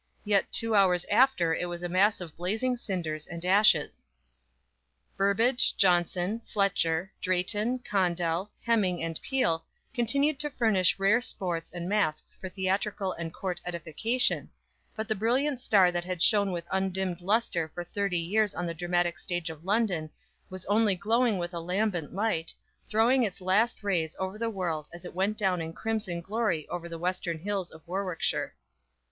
Yet two hours after it was a mass of blazing cinders and ashes. Burbage, Jonson, Fletcher, Drayton, Condell, Heming and Peele continued to furnish rare sports and masks for theatrical and court edification, but the brilliant star that had shone with undimmed luster for thirty years on the dramatic stage of London was only glowing with a lambent light, throwing its last rays over the world as it went down in crimson glory over the western hills of Warwickshire.